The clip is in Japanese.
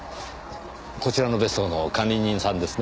こちらの別荘の管理人さんですね？